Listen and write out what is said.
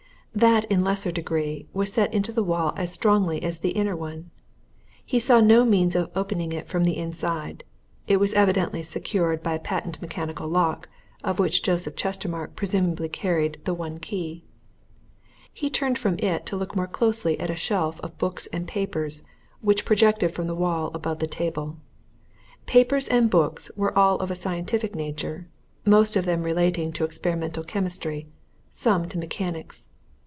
That, in lesser degree, was set into the wall as strongly as the inner one. He saw no means of opening it from the inside: it was evidently secured by a patent mechanical lock of which Joseph Chestermarke presumably carried the one key. He turned from it to look more closely at a shelf of books and papers which projected from the wall above the table. Papers and books were all of a scientific nature, most of them relating to experimental chemistry, some to mechanics.